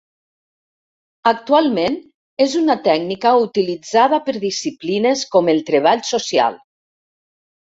Actualment és una tècnica utilitzada per disciplines com el Treball Social.